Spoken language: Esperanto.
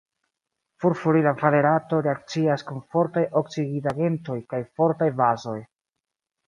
Furfurila valerato reakcias kun fortaj oksidigagentoj kaj fortaj bazoj.